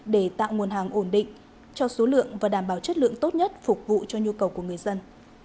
để tạo nguồn hàng ổn định cho số lượng và đảm bảo chất lượng tốt nhất phục vụ cho nhu cầu của người dân